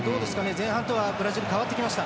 前半とはブラジル変わってきました。